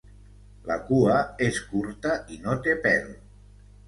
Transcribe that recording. La cua és curta i no té pèl.